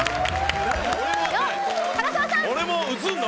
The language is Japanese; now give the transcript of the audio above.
俺も映んの？